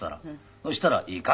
そしたら「いいか？